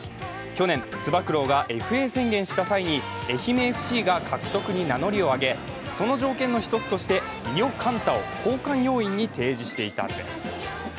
去年、つば九郎がＦＡ宣言した際に、愛媛ＦＣが獲得に名乗りを上げその条件の一つとして伊予柑太を交換要員に提示していたんです。